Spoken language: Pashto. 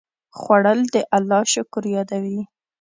خوړل د الله شکر یادوي